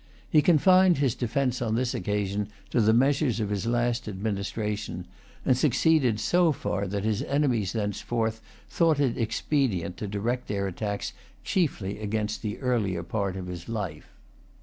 He confined his defence on this occasion to the measures of his last administration, and succeeded so far that his enemies thenceforth thought it expedient to direct their attacks chiefly against the earlier part of his life.